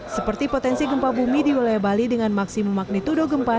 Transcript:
seperti potensi gempa bumi di wilayah bali dengan maksimum magnitudo gempa